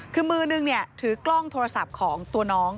คือมือนึงถือกล้องโทรศัพท์ของตัวน้อง